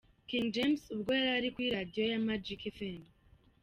King James ubwo yarari kuri radiyo ya Magic Fm.